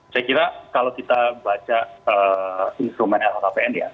saya kira kalau kita baca instrumen lhkpn ya